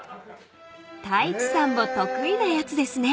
［太一さんも得意なやつですね］